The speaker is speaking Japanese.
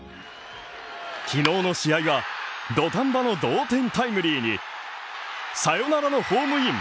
昨日の試合は土壇場の同点タイムリーにサヨナラのホームイン。